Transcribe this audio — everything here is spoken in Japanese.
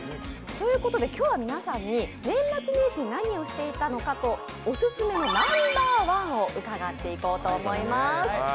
今日は皆さんに年末年始、何をしていたのかというのとオススメのナンバー１を伺っていこうと思います。